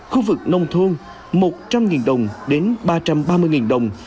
khu vực nông thôn một trăm linh đồng đến ba trăm ba mươi đồng